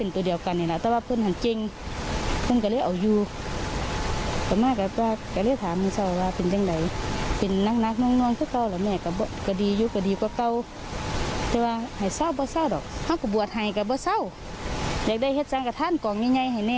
ทีมข่าวของเราก็เลยนับวิจัย